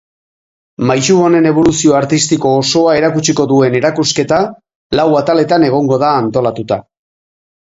Maisu honen eboluzio artistiko osoa erakutsiko duen erakusketa lau ataletan egongo da antolatuta.